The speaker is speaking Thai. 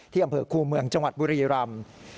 อำเภอคู่เมืองจังหวัดบุรีรำ